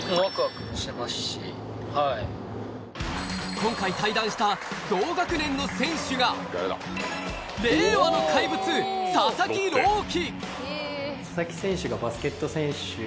今回対談した同学年の選手が、令和の怪物・佐々木朗希。